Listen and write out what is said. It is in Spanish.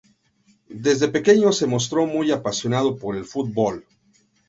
Desde pequeño se mostró muy apasionado por el fútbol.